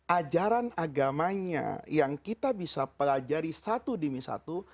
ajaran agamanya yang kita bisa pelajari satu demi satu